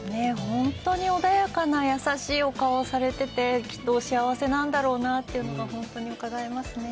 本当に穏やかな優しいお顔をされてて、きっとお幸せなんだろうなっていうのが本当にうかがえますね。